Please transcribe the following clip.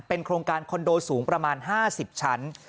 โครงการคอนโดสูงประมาณ๕๐ชั้น